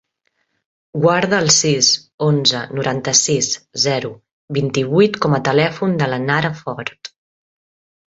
Guarda el sis, onze, noranta-sis, zero, vint-i-vuit com a telèfon de la Nara Fort.